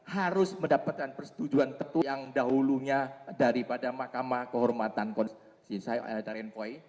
harus mendapatkan persetujuan tetu yang dahulunya daripada mahkamah kehormatan konstitusi